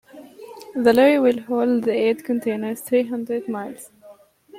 The lorry will haul the aid container three hundred miles.